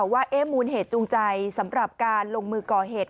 ว่ามูลเหตุจูงใจสำหรับการลงมือก่อเหตุ